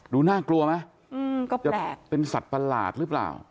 ดูน่ากลัวไหมจะเป็นสัตว์ประหลาดหรือเปล่า